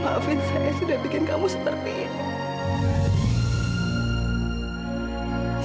maafin saya sudah bikin kamu seperti ini